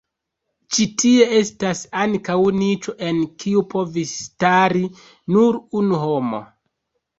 Ĉi tie estas ankaŭ niĉo, en kiu povis stari nur unu homo.